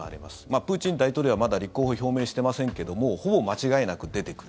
プーチン大統領は、まだ立候補を表明してませんけどもほぼ間違いなく出てくる。